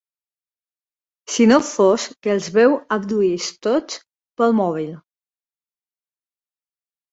Si no fos que els veu abduïts tots pel mòbil.